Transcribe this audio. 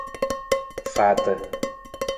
Faata.